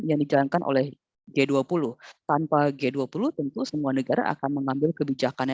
yang dijalankan oleh g dua puluh tanpa g dua puluh tentu semua negara akan mengambil kebijakan